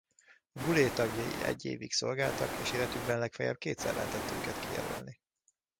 A bulé tagjai egy évig szolgáltak és életükben legfeljebb kétszer lehetett őket kijelölni.